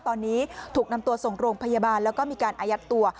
ตอนนี้ถูกนำตัวส่งโรงพยาบาลแล้วก็มีการอายัดตัว